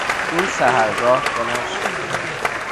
او سحرگاه بلند شد.